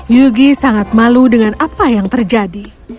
yugi sangat malu dengan apa yang terjadi